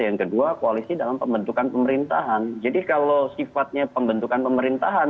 yang kedua koalisi dalam pembentukan pemerintahan jadi kalau sifatnya pembentukan pemerintahan